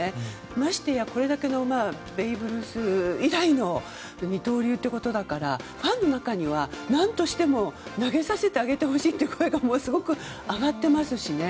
ましてや、ベーブ・ルース以来の二刀流ということだからファンの中には何としても投げさせてあげてほしいという声がすごく上がっていますしね。